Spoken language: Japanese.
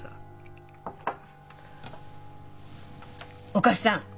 お義母さん！